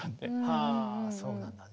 はあそうなんだね。